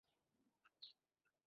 আপনার অনেক দেরি হয়ে যাবে।